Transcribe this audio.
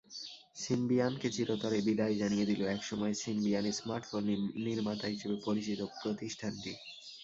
সিমবিয়ানকে চিরতরে বিদায় জানিয়ে দিল একসময়ের সিমবিয়ান স্মার্টফোন নির্মাতা হিসেবে পরিচিত প্রতিষ্ঠানটি।